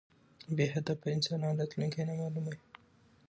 بی هدف انسان راتلونکي نامعلومه وي